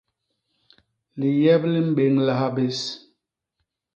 Liyep li mbéñlaha bés.